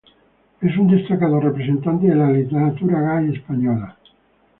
Es un destacado representante de la literatura gay española.